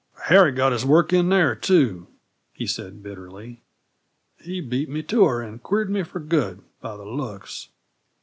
"Harry got his work in there, too," he said bitterly. "He beat me to her and queered me for good, by the looks."